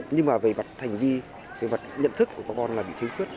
nhưng mà về mặt hành vi về mặt nhận thức của các con là bị thiếu khuyết